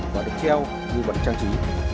và được treo như vật trang trí